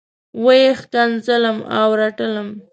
وه یې ښکنځلم او رټلم.